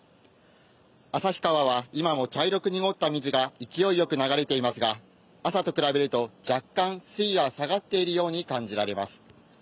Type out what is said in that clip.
旭川は今も茶色く濁った水が勢いよく流れていますが朝と比べると若干水位は下がっているように感じられます。